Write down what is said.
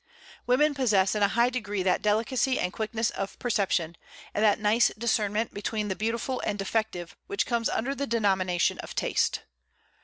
Women possess in a high degree that delicacy and quickness of perception, and that nice discernment between the beautiful and defective which comes under the denomination of taste.